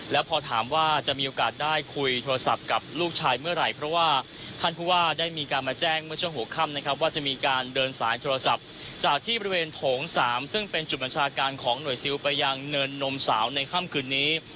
แล้วพอถามว่าจะมีโอกาสได้คุยโทรศัพท์กับลูกชายเมื่อไหร่เพราะว่าท่านผู้ว่าได้มีการมาแจ้งเมื่อช่วงหัวค่ำนะครับว่าจะมีการเดินสายโทรศัพท์จากที่บริเวณโถง๓ซึ่งเป็นจุดบัญชาการของหน่วยซิลไปยังเนินนมสาวในค่ำคืนนี้